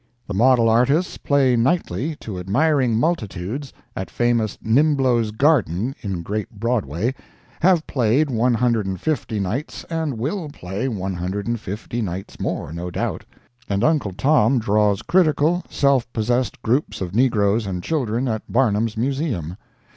The model artists play nightly to admiring multitudes at famous Niblo's Garden, in great Broadway—have played one hundred and fifty nights and will play one hundred and fifty nights more, no doubt—and Uncle Tom draws critical, self possessed groups of negroes and children at Barnum's Museum.